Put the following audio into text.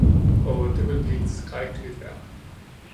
Oh, det ville blive et skrækkeligt vejr!